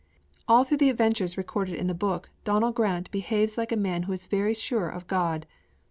All through the adventures recorded in the book, Donal Grant behaves like a man who is very sure of God.